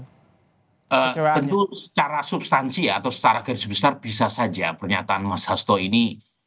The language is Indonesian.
tentu secara substansi atau secara garis besar bisa saja pernyataan mas hasto ini